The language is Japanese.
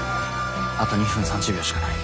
あと２分３０秒しかない。